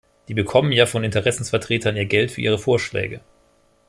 Die bekommen ja von Interessenvertretern ihr Geld für ihre Vorschläge.